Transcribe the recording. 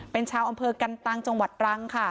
เป็นชาวอำเภอกันตังจังหวัดตรังค่ะ